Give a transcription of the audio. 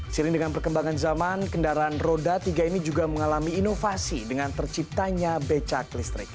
sering dengan perkembangan zaman kendaraan roda tiga ini juga mengalami inovasi dengan terciptanya becak listrik